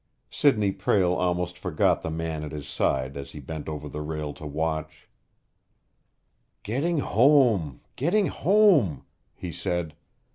Sidney Prale almost forgot the man at his side as he bent over the rail to watch. "Getting home getting home!" he said.